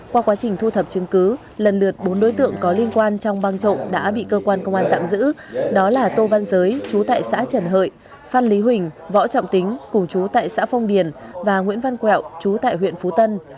qua quá trình thu thập chứng cứ lần lượt bốn đối tượng có liên quan trong băng trộm đã bị cơ quan công an tạm giữ đó là tô văn giới chú tại xã trần hợi phan lý huỳnh võ trọng tính cùng chú tại xã phong điền và nguyễn văn quẹo trú tại huyện phú tân